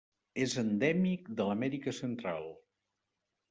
És endèmic de l'Amèrica Central: